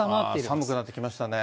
寒くなってきましたね。